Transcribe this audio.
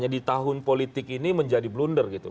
di tahun politik ini menjadi blunder gitu